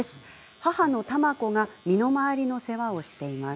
母の珠子が身の回りの世話をしています。